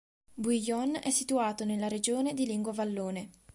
Bouillon è situato nella regione di lingua vallone.